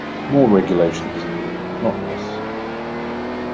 More regulation is needed, not less.